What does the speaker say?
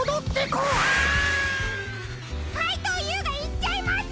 かいとうＵがいっちゃいます！